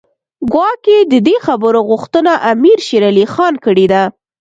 ګواکې د دې خبرو غوښتنه امیر شېر علي خان کړې ده.